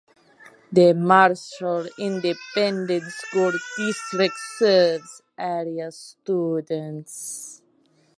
The Marshall Independent School District serves area students.